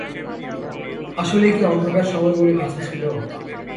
আসলেই কি অন্ধকার সময় বলে কিছু ছিল?